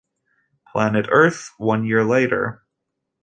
Planet Earth, one year later.